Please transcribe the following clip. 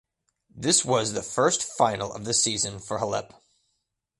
This was the first final of the season for Halep.